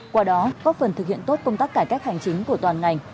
qua đó góp phần thực hiện tốt công tác cải cách hành chính của toàn ngành